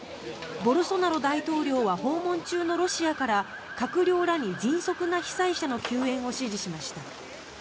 ボルソナロ大統領は訪問中のロシアから閣僚らに迅速な被災者の救援を支持しました。